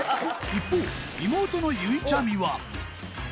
一方妹のゆいちゃみは